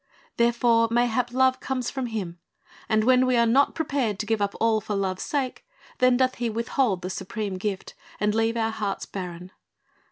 Therefore mayhap love comes from him, and when we are not prepared to give up all for love's sake, then doth he withhold the supreme gift and leave our hearts barren....